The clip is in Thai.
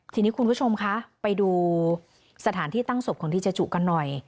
ทีนี้คุณผู้ชมคะไปดูสถานที่ตั้งศพของดีเจจุกันหน่อย